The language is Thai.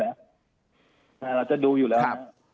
เราจะดูอยู่แล้ว